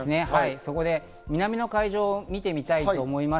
そこで南の海上を見てみたいと思います。